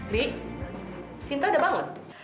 bi sinta udah bangun